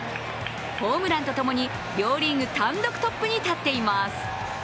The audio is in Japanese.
ホームランとともに両リーグ単独トップに立っています。